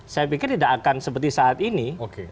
saya pikir tidak akan seperti saat ini